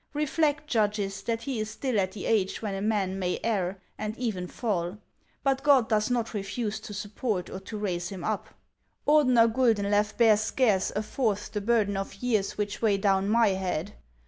Keflect, judges, that he is still at the age when a man may err, aud even fall ; but God does not refuse to support or to raise him up. Ordener Guldenlew bears scarce a fourth the burden of years which weigh down ray head.